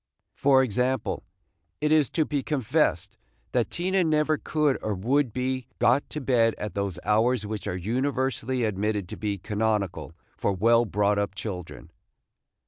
For example, it is to be confessed that Tina never could or would be got to bed at those hours which are universally admitted to be canonical for well brought up children.